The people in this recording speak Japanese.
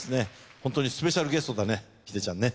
ホントにスペシャルゲストだね秀ちゃんね。